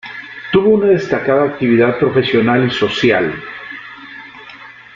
Tuvo una destacada actividad profesional y social.